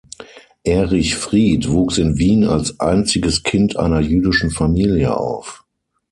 Erich Fried wuchs in Wien als einziges Kind einer jüdischen Familie auf.